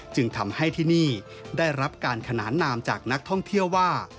จึงทำให้ที่นี่ได้รับการขนานนามจากนักท่องเที่ยวว่า